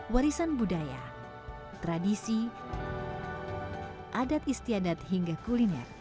warisan budaya tradisi adat istiadat hingga kuliner